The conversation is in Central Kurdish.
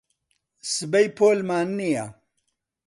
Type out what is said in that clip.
سبەی پۆلمان نییە.